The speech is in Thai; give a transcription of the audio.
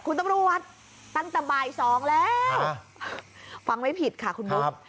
คุณตำรวจตั้งแต่บ่าย๒แล้วฟังไม่ผิดค่ะคุณบุ๊ค